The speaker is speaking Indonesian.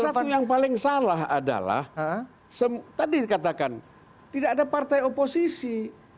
salah satu yang paling salah adalah tadi dikatakan tidak ada partai oposisi